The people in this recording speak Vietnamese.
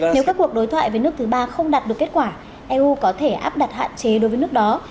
nếu các cuộc đối thoại với nước thứ ba không đạt được kết quả eu có thể áp đặt hạn chế đối với nước đó